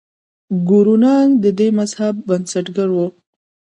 ګورو نانک د دې مذهب بنسټګر و.